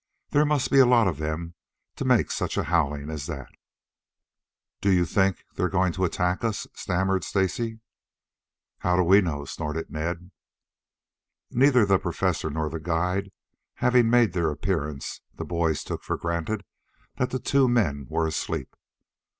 "There must be a lot of them to make such a howling as that." "D d d d do you thi thi think they're going to attack us?" stammered Stacy. "How do we know?" snorted Ned. Neither the Professor nor the guide having made their appearance, the boys took for granted that the two men were asleep.